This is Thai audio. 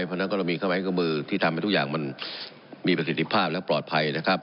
เพราะฉะนั้นก็จะมีข้าวแม้กระมือที่ทำให้ทุกอย่างมันมีประสิทธิภาพและปลอดภัยนะครับ